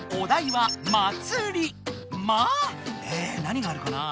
⁉え何があるかな？